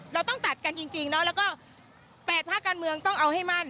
เราต้องตัดกันจริงเนาะแล้วก็๘ภาคการเมืองต้องเอาให้มั่น